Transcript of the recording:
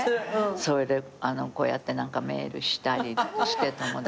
それでこうやってメールしたりして友達に。